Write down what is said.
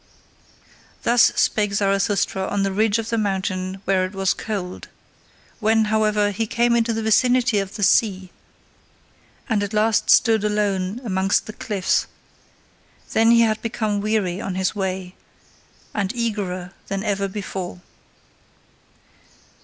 Thus spake Zarathustra on the ridge of the mountain where it was cold: when, however, he came into the vicinity of the sea, and at last stood alone amongst the cliffs, then had he become weary on his way, and eagerer than ever before.